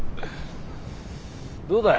どうだい。